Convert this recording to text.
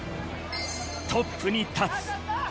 トップに立つ。